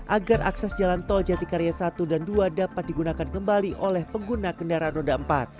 agar akses jalan tol jatikarya satu dan dua dapat digunakan kembali oleh pengguna kendaraan roda empat